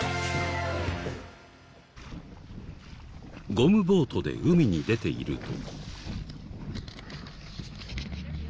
ゴムボートで海に出ていると。